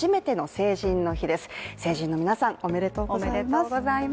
成人の皆さん、おめでとうございます。